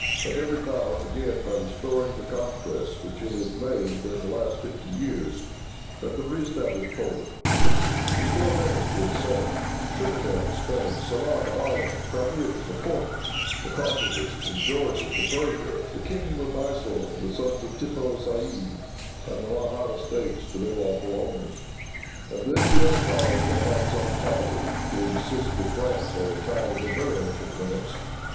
"Let every power begin by restoring the conquests which it has made during the last fifty years. Let them reëstablish Poland, restore Venice to its senate, Trinidad to Spain, Ceylon to Holland, the Crimea to the Porte, the Caucasus and Georgia to Persia, the kingdom of Mysore to the sons of Tippoo Saib, and the Mahratta States to their lawful owners; and then the other powers may have some title to insist that France shall retire within her ancient limits.